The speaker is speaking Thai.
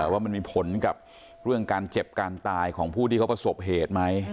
ว่ามันมีผลกับเรื่องการเจ็บการตายของผู้ที่เขาประสบเหตุไหม